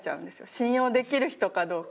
信用できる人かどうか。